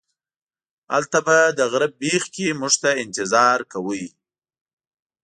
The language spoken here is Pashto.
هلته به د غره بیخ کې موږ ته انتظار کوئ.